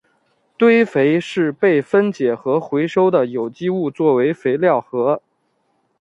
堆肥是被分解和回收的有机物质作为肥料和。